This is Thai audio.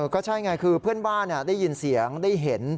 ก็ใช่ไงคือเพื่อนบ้านได้ยินเสียงได้เห็น